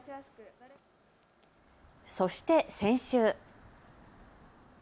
そして先週。